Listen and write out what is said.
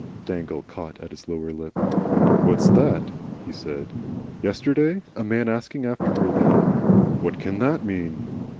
Dangle caught at his lower lip. "What's that?" he said. "Yesterday! A man asking after her then! What can THAT mean?"